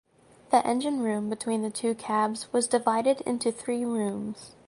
The engine room between the two cabs was divided into three rooms.